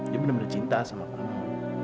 dia benar benar cinta sama allah